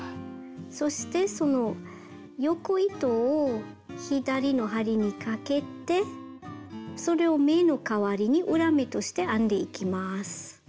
そしてその横糸を左の針にかけてそれを目の代わりに裏目として編んでいきます。